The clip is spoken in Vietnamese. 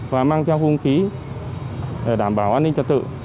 và mang theo hung khí để đảm bảo an ninh trật tự